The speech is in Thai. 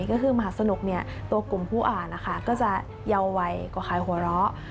ก็คือมหาสนุกเนี่ยตัวกลุ่มผู้อ่านนะคะก็จะเยาไวกว่าขายหัวเราะ